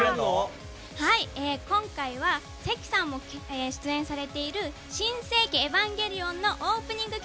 今回は関さんも出演されている「新世紀エヴァンゲリオン」のオープニング曲